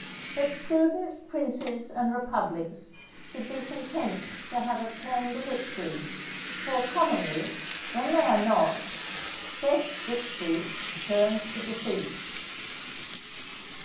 —_That prudent Princes and Republics should be content to have obtained a Victory; for, commonly, when they are not, theft Victory turns to Defeat.